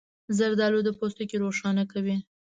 زردالو د پوستکي روښانه کوي.